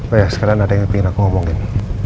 oh ya sekarang ada yang ingin aku ngomongin